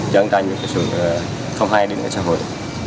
cho chúng ta những sự không hay đến với xã hội